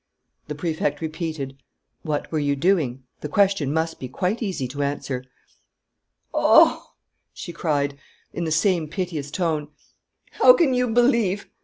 The Prefect repeated: "What were you doing? The question must be quite easy to answer." "Oh," she cried, in the same piteous tone, "how can you believe!...